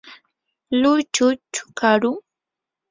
luychu chukarum.